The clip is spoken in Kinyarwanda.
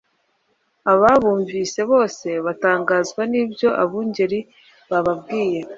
Ababumvise bose batangazwa n'ibyo abungeri bababwiye.